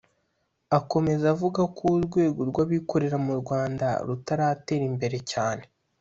Akomeza avuga ko urwego rw’abikorera mu Rwanda rutaratera imbere cyane